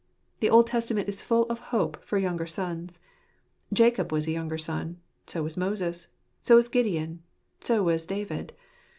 The Old Testament is full of hope for younger sons: Jacob was a younger son; so was Moses; so was Gideon ; so was David.